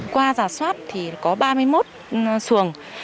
qua giả soát thì có ba mươi một xuồng